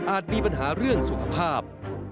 มีปัญหาเรื่องสุขภาพ